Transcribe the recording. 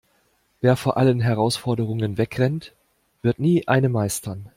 Wer vor allen Herausforderungen wegrennt, wird nie eine meistern.